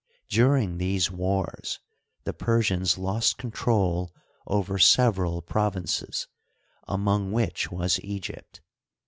During these wars the Persians lost control over several provinces, among which was Egypt.